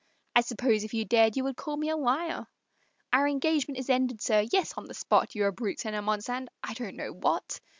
"I suppose, if you dared, you would call me a liar. Our engagement is ended, sir yes, on the spot; You're a brute, and a monster, and I don't know what."